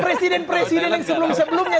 presiden presiden yang sebelum sebelumnya